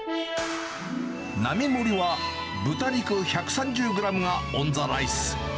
並盛は、豚肉１３０グラムがオンザライス。